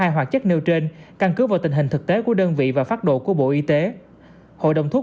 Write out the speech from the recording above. hai hoạt chất nêu trên căn cứ vào tình hình thực tế của đơn vị và phát độ của bộ y tế hội đồng thuốc